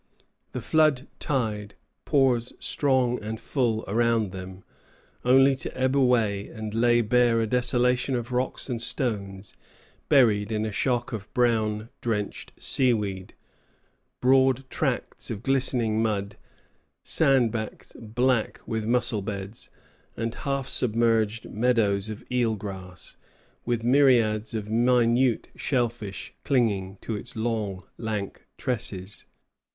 The flood tide pours strong and full around them, only to ebb away and lay bare a desolation of rocks and stones buried in a shock of brown drenched seaweed, broad tracts of glistening mud, sandbanks black with mussel beds, and half submerged meadows of eel grass, with myriads of minute shellfish clinging to its long lank tresses.